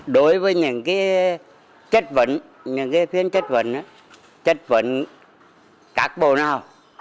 đối với những cái chất vấn những phiên chất vấn chất vấn các bộ nào